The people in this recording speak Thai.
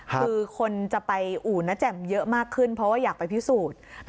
คือคนจะไปอู่นะแจ่มเยอะมากขึ้นเพราะว่าอยากไปพิสูจน์